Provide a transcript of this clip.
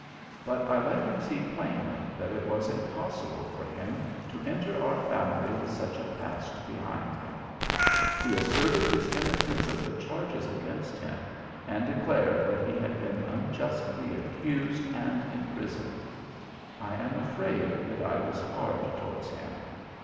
But I let him see plainly that it was impossible for him to enter our family with such a past behind him. He asserted his innocence of the charges against him, and declared that he had been unjustly accused and imprisoned. I am afraid that I was hard towards him.